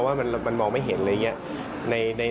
ว่ามันมองไม่เห็นอะไรอย่างนี้